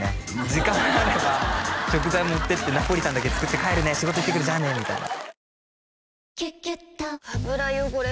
時間あれば食材持ってってナポリタンだけ作って帰るね仕事行ってくるじゃあねみたいな「キュキュット」油汚れ